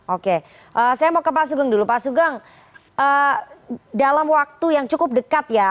oke saya mau ke pak sugeng dulu pak sugeng dalam waktu yang cukup dekat ya